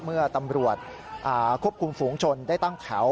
เมื่อตำรวจควบคุมฝูงชนได้ตั้งแถว